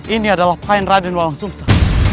ini adalah paen raden wawangsumsa